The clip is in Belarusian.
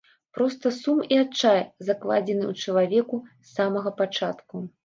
Проста сум і адчай закладзены ў чалавеку з самага пачатку.